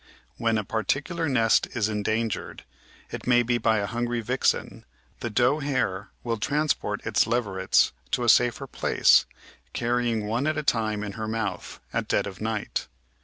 When a particular nest is endangered, it may be by a hungry vixen, the doe hare will transport its leverets to a safer place, carrying one at a time in her mouth, at dead of night.